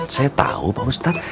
saya tahu pak ustadz